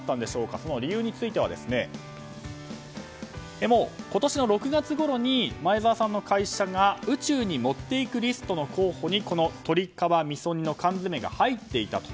その理由については今年の６月ごろに前澤さんの会社が宇宙に持っていくリストの候補に鳥皮みそ煮の缶詰が入っていたと。